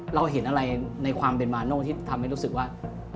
เราเห็นอะไรในความเป็นมาโน่ที่ทำให้รู้สึกว่า